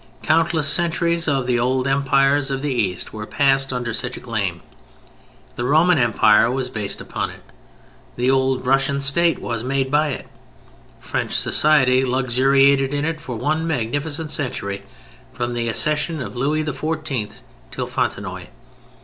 Countless centuries of the old Empires of the East were passed under such a claim, the Roman Empire was based upon it; the old Russian State was made by it, French society luxuriated in it for one magnificent century, from the accession of Louis XIV. till Fontenoy.